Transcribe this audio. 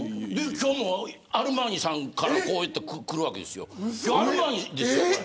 今日もアルマーニさんからこういったものがくるわけです。